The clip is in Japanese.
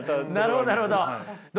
なるほどなるほど。